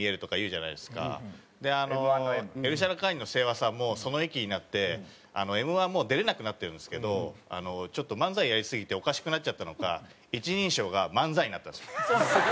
エルシャラカーニのセイワさんもその域になってＭ−１もう出れなくなってるんですけどちょっと漫才やりすぎておかしくなっちゃったのか一人称が「漫才」になったんですよ。